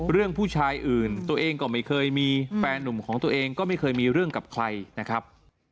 ผู้ชายอื่นตัวเองก็ไม่เคยมีแฟนหนุ่มของตัวเองก็ไม่เคยมีเรื่องกับใครนะครับ